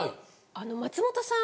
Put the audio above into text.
あの松本さん